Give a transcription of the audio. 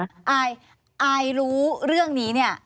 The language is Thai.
อายอายรู้เรื่องนี้เนี่ย